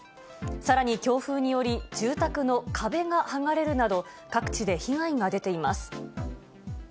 さらに強風により、住宅の壁が剥がれるなど、各地で被害が出ています。